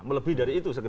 melebih dari itu sekitar